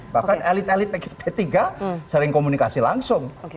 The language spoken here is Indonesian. bahkan elit elit p tiga sering komunikasi langsung